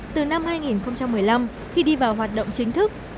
từ năm hai nghìn một mươi năm khi đi vào hoạt động chính thức